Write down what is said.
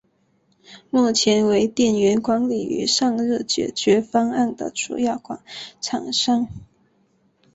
目前为电源管理与散热解决方案的主要厂商。